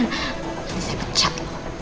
nanti saya pecat